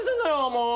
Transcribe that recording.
もう。